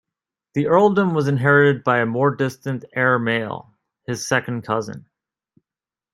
The earldom was inherited by a more distant heir-male, his second cousin.